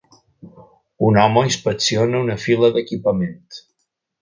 Un home inspecciona una fila d'equipament.